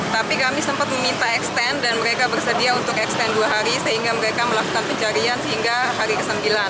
tapi kami sempat meminta extend dan mereka bersedia untuk extend dua hari sehingga mereka melakukan pencarian sehingga hari ke sembilan